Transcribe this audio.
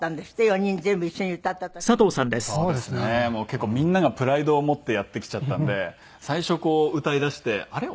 結構みんながプライドを持ってやってきちゃったんで最初こう歌いだしてあれ？